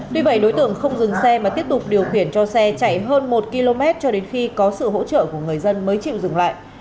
tuy vậy đối tượng không dừng xe mà tiếp tục điều khiển cho xe chạy hơn một km cho đến khi có sự hỗ trợ của người dân mới chịu dừng lại